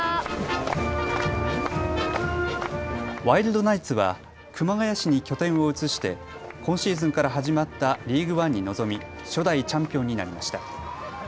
ワイルドナイツは熊谷市に拠点を移して、今シーズンから始まったリーグワンに臨み初代チャンピオンになりました。